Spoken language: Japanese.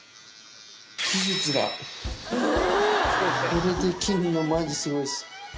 これできるのマジすごいっす。